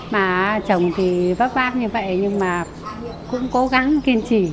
mà chồng thì bác vác như vậy nhưng mà cũng cố gắng kiên trì